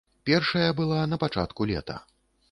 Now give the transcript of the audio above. Першая была на пачатку лета.